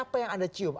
apa yang anda cium